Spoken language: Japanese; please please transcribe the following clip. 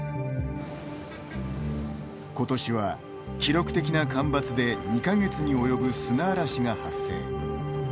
今年は、記録的な干ばつで２か月に及ぶ砂嵐が発生。